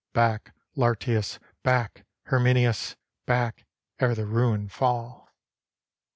"Back, Lartius! back, Herminius! Back, ere the ruin fall!"